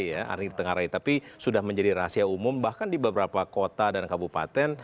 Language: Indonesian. tidak ini di tengarai ya tapi sudah menjadi rahasia umum bahkan di beberapa kota dan kabupaten